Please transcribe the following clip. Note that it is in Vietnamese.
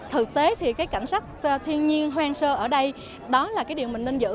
thực tế thì cái cảnh sắc thiên nhiên hoang sơ ở đây đó là cái điều mình nên giữ